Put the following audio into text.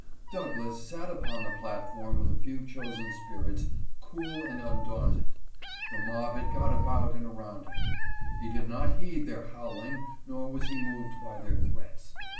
Douglass sat upon the platform with a few chosen spirits, cool and undaunted. The mob had got about and around him. He did not heed their howling nor was he moved by their threats.